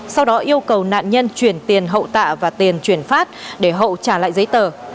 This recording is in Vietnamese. sau đó yêu cầu nạn nhân chuyển tiền hậu tạ và tiền chuyển phát để hậu trả lại giấy tờ